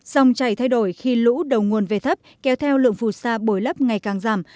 sông chảy thay đổi khi lũ đầu nguồn về thấp kéo theo lượng phù sa bồi lấp ngày càng giảm